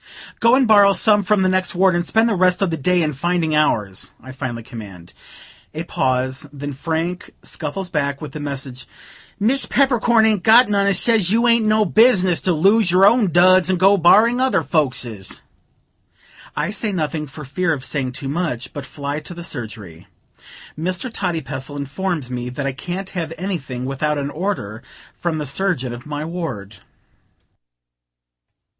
"Go and borrow some from the next ward, and spend the rest of the day in finding ours," I finally command. A pause; then Frank scuffles back with the message: "Miss Peppercorn ain't got none, and says you ain't no business to lose your own duds and go borrowin' other folkses." I say nothing, for fear of saying too much, but fly to the surgery. Mr. Toddypestle informs me that I can't have anything without an order from the surgeon of my ward.